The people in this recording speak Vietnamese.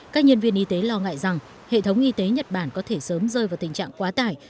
các nhân viên y tế lo ngại rằng hệ thống y tế nhật bản có thể sớm rơi vào tình trạng quá tải